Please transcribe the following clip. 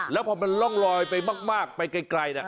แล้วพอมันร่องลอยไปมากไปไกล